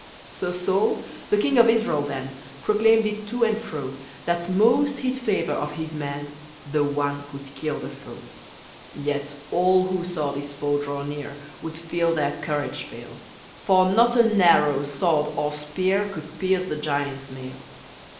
So Saul, the king of Israel then, Proclaimed it to and fro, That most he'd favor of his men The one, who'd kill the foe. Yet all, who saw this foe draw near, Would feel their courage fail; For not an arrow, sword, or spear, Could pierce the giant's mail.